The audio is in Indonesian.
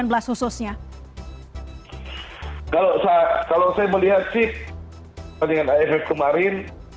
kalau saya melihat sih berbanding dengan afm kemarin